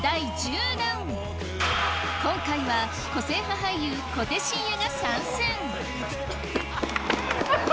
今回は個性派俳優小手伸也が参戦！